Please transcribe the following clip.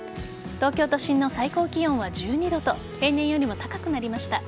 東京都心の最高気温は１２度と平年よりも高くなりました。